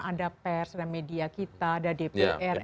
ada pers ada media kita ada dpr